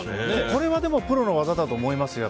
これはもうプロの技だと思いますよ。